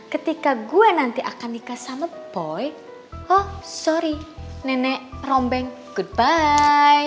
ketika gue nanti akan nikah sama boy oh sorry nenek rombeng goodby